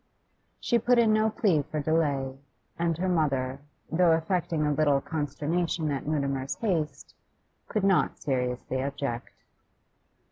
She put in no plea for delay, and her mother, though affecting a little consternation at Mutimer's haste, could not seriously object.